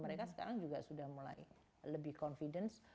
mereka sekarang juga sudah mulai lebih confidence